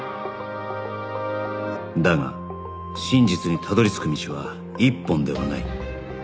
だが真実にたどり着く道は一本ではない